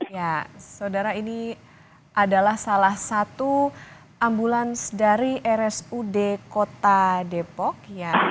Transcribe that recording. ya saudara ini adalah salah satu ambulans dari rsud kota depok